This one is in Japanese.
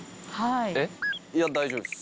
いや大丈夫っす。